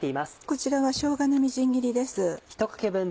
こちらはしょうがのみじん切りです。